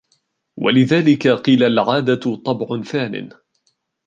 وَلِذَلِكَ قِيلَ الْعَادَةُ طَبْعٌ ثَانٍ